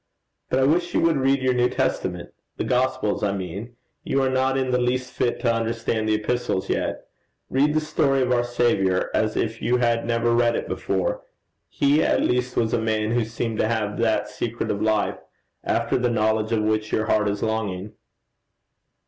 But I wish you would read your New Testament the Gospels I mean: you are not in the least fit to understand the Epistles yet. Read the story of our Saviour as if you had never read it before. He at least was a man who seemed to have that secret of life after the knowledge of which your heart is longing.'